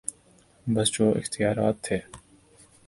بس جو اختیارات تھے۔